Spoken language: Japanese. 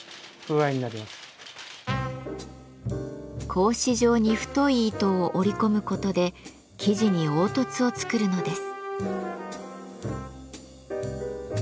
格子状に太い糸を織り込むことで生地に凹凸を作るのです。